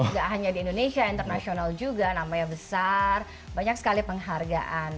nggak hanya di indonesia internasional juga namanya besar banyak sekali penghargaan